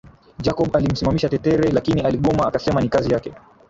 Jacob alimsimamisha Tetere lakii aligoma akasema ni kazi yake